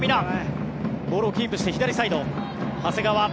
ボールをキープして左サイド。